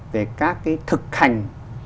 về các cái thực hành